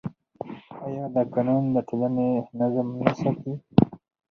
آیا دا قانون د ټولنې نظم نه ساتي؟